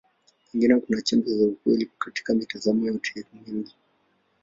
Pengine kuna chembe za ukweli katika mitazamo yote miwili.